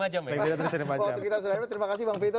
waktu kita sudah ada terima kasih bang vito